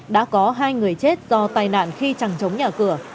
đã có hai người chết do tai nạn khi chẳng chống nhà cửa